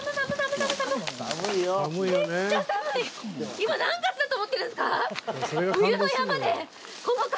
今何月だと思ってるんですか！？